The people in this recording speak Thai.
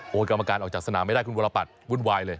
กรรมการออกจากสนามไม่ได้คุณวรปัตรวุ่นวายเลย